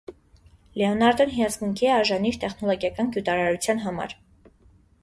Լեոնարդոն հիացմունքի է արժանի իր տեխնոլոգիական գյուտարարության համար։